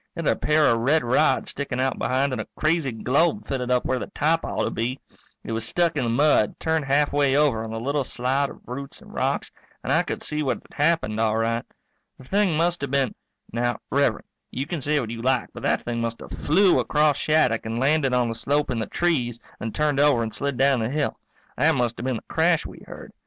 It had a pair of red rods sticking out behind and a crazy globe fitted up where the top ought to be. It was stuck in the mud, turned halfway over on the little slide of roots and rocks, and I could see what had happened, all right. The thing must have been now, Rev'rend, you can say what you like but that thing must have flew across Shattuck and landed on the slope in the trees, then turned over and slid down the hill. That must have been the crash we heard.